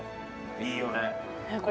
いいよね。